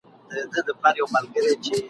له سهاره تر ماښامه په غیبت وي !.